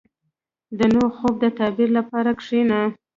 • د نوي خوب د تعبیر لپاره کښېنه.